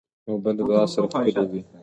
اوبه له دعا سره ښکلي وي.